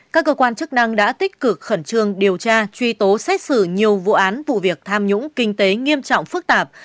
các cơ quan chức năng đã tích cực khẩn trương điều tra truy tố xét xử nhiều vụ án vụ việc tham nhũng kinh tế nghiêm trọng phức tạp